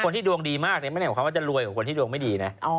คนที่ดวงดีมากเนี่ยไม่ใช่ว่าจะรวยกว่าคนที่ดวงไม่ดีนะ